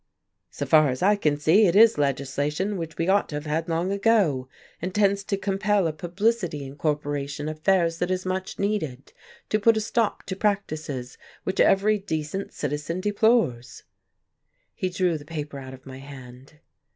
"So far as I can see, it is legislation which we ought to have had long ago, and tends to compel a publicity in corporation affairs that is much needed, to put a stop to practices which every decent citizen deplores." He drew the paper out of my hand.